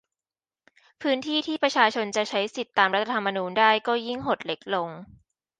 พื้นที่ที่ประชาชนจะใช้สิทธิตามรัฐธรรมนูญได้ก็ยิ่งหดเล็กลง